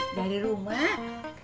udah di rumah